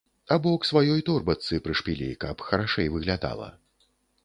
Або к сваёй торбачцы прышпілі, каб харашэй выглядала.